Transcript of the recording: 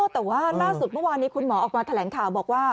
แต่ว่าล่าสุดเมื่อวานนี้คุณหมอออกมาแถลงข่าวบอกว่า